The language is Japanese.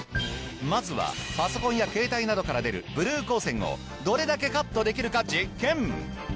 まずはパソコンや携帯などから出るブルー光線をどれだけカットできるか実験！